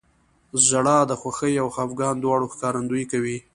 • ژړا د خوښۍ او خفګان دواړو ښکارندویي کوي.